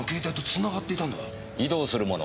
移動するもの